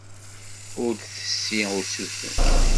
Ur d-tessi usuten.